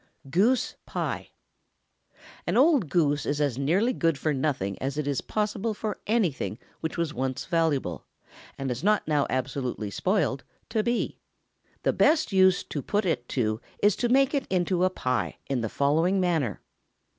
GOOSE PIE. An old goose is as nearly good for nothing as it is possible for anything which was once valuable, and is not now absolutely spoiled, to be. The best use to put it to is to make it into a pie, in the following manner.